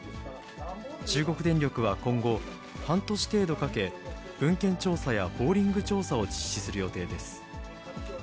中国電力は今後、半年程度かけ、文献調査やボーリング調査を実施する予定です。